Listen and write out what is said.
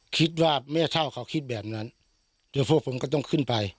คิดว่าแม่เท่าเขาคิดแบบนั้นเดี๋ยวพวกผมก็ต้องขึ้นไป